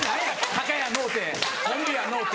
「タカやのうてトンビやのうて」。